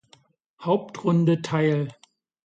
Hauptrunde teil.